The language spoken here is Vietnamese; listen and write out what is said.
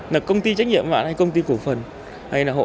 là công ty trách nhiệm hay công ty cổ phần hay là hộ